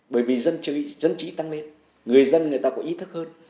bởi vì dân trí tăng lên người dân người ta có ý thức hơn